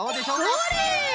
それ！